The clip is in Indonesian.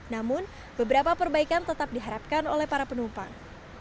namun beberapa perbaikan tetap diharapkan oleh para penumpang